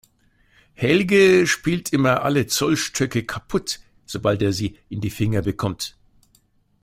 Helge spielt immer alle Zollstöcke kaputt, sobald er sie in die Finger bekommt.